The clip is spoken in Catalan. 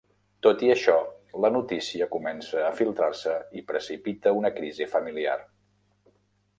Tot i això, la notícia comença a filtrar-se i precipita una crisi familiar.